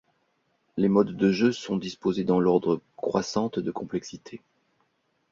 Les modes de jeu sont disposés dans l'ordre croissante de complexité.